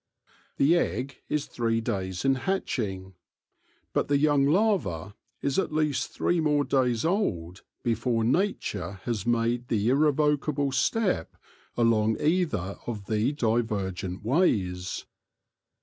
The egg is three days in hatching. But the young larva is at least three more days old before nature has made the irre vocable step along either of the divergent ways.